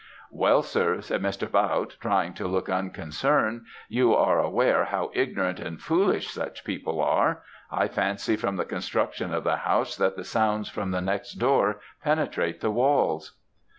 "'Well, sir,' said Mr. Bautte, trying to look unconcerned, 'you are aware how ignorant and foolish such people are I fancy from the construction of the house that the sounds from the next door penetrate the walls.'